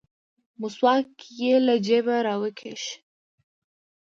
مسواک يې له جيبه راوکيښ.